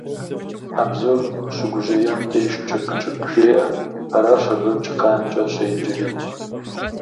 А бзур щыгужьеям деж «чыкъ-чыкъ» жеӀэ, аращ абы чыкъанкӀэ щӀеджэри.